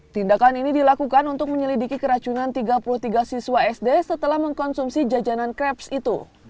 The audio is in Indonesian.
tindakan ini dilakukan untuk menyelidiki keracunan tiga puluh tiga siswa sd setelah mengkonsumsi jajanan kreps itu